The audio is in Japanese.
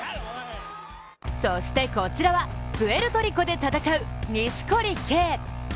そしてこちらは、プエルトリコで戦う錦織圭。